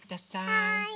はい。